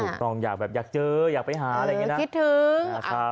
ถูกต้องอยากเจออยากไปหาคิดถึง